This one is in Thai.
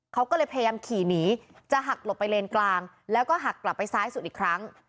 เขาก็เลยพยายามขี่หนีจะหักหลบไปเลนกลางแล้วก็หักกลับไปซ้ายสุดอีกครั้ง